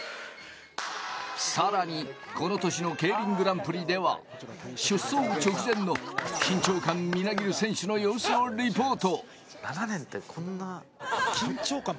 さらにこの年のＫＥＩＲＩＮグランプリでは出走直前の緊張感みなぎる選手の様子をリポート。